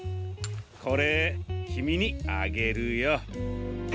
これきみにあげるよ。